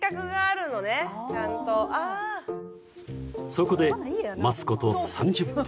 ［そこで待つこと３０分］